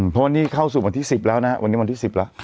เพราะว่านี่เข้าสู่วันที่๑๐แล้วนะฮะวันนี้วันที่๑๐แล้ว